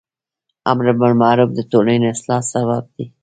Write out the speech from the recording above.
امر بالمعروف د ټولنی اصلاح سبب دی.